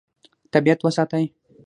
طبیعت وساتئ.